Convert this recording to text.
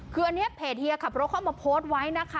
คืออันนี้เพจเฮียขับรถเข้ามาโพสต์ไว้นะคะ